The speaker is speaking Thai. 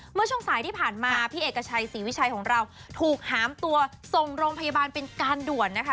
เมื่อช่วงสายที่ผ่านมาพี่เอกชัยศรีวิชัยของเราถูกหามตัวส่งโรงพยาบาลเป็นการด่วนนะคะ